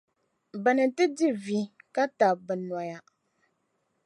ba ni ti di vi, ka tabi bɛ noya.